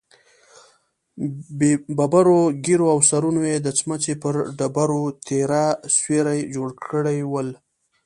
ببرو ږېرو او سرونو يې د سمڅې پر ډبرو تېره سيوري جوړ کړي ول.